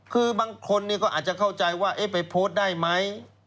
คือบางคนก็อาจจะเข้าใจว่าไปโพสต์ได้ไหม